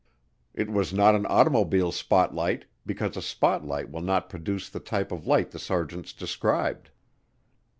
It was not an automobile spotlight because a spotlight will not produce the type of light the sergeants described.